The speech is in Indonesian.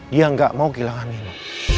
dia gak mau kehilangan nino